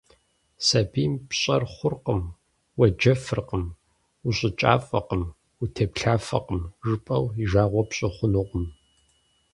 Сабийм «пщӀэр хъуркъым, уеджэфыркъым, ущӀыкӀафӀэкъым, утеплъафӀэкъым», жыпӏэу и жагъуэ пщӏы хъунукъым.